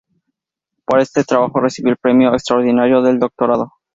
Por este trabajo recibió el Premio Extraordinario de Doctorado.